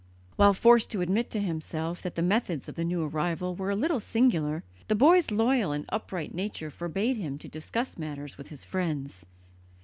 While forced to admit to himself that the methods of the new arrival were a little singular, the boy's loyal and upright nature forbade him to discuss matters with his friends.